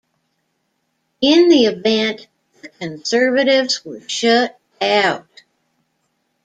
In the event, the Conservatives were shut out.